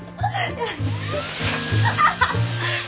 ハハハ！